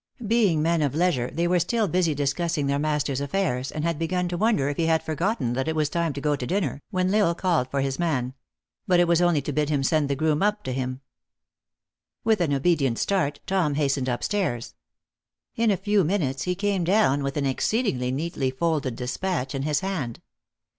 Being men of leisure, they were still busy discuss ing their master s affairs, and had begun to wonder if 308 THE ACTKESS IN HIGH LIFE. he had forgotten that it was time to go to dinner, when L Isle called for his man; but it was only to bid him send the groom up to him. With an obedient start, Tom hastened np stairs. In a few minutes, he came down with an exceedingly neatly folded despatch in his hand.